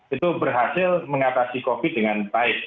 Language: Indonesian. itu berhasil mengatasi covid dengan baik